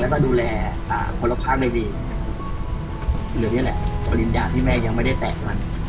แล้วมาดูแลอ่าคนละภาพใดดีเหลือนี่แหละปริญญาที่แม่ยังไม่ได้แตกมัน